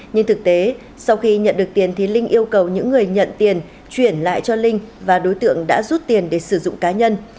nhưng thực tế sau khi nhận được tiền thì linh yêu cầu những người nhận tiền chuyển lại cho linh và đối tượng đã rút tiền để sử dụng cá nhân